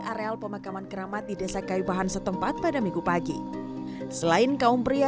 areal pemakaman keramat di desa kaibahan setempat pada minggu pagi selain kaum pria